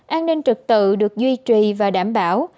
an ninh trực tự được duy trì và đảm bảo